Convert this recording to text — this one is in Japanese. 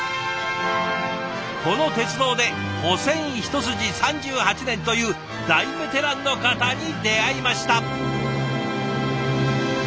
この鉄道で保線一筋３８年という大ベテランの方に出会いました。